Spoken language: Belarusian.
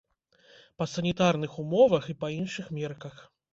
Па санітарных умовах і па іншых мерках.